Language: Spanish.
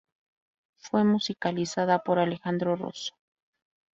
Fue musicalizada por Alejandro Rosso.